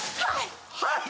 はい！